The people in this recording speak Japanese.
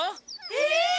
えっ！